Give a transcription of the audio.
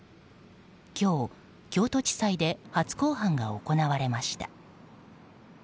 今日、京都地裁で初公判が行われました。